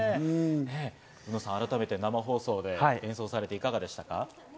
海野さん、改めて生放送で演奏されていかがでしたか？